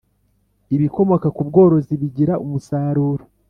Ibikomoka ku bworozi bigira umusaruro.